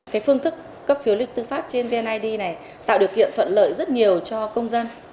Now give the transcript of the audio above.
cái phương thức cấp phiếu lý tư pháp trên vnid này tạo điều kiện thuận lợi rất nhiều cho công dân